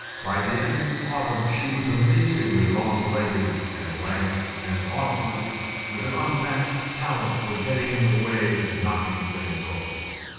By the end of autumn she was amazingly long legged, and lank, and awkward, with an unmatched talent for getting in the way and knocking things over.